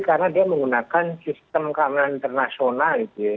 karena dia menggunakan sistem keamanan internasional